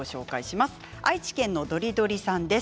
愛知県の方です。